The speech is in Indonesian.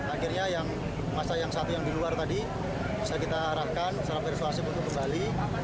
akhirnya yang masa yang satu yang di luar tadi bisa kita arahkan secara persuasif untuk kembali